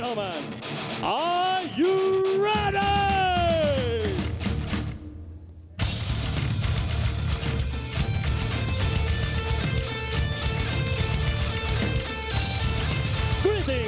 สวัสดีทุกคน